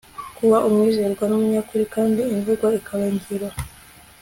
kuba umwizerwa n'umunyakuri kandi imvugo ikaba ingiro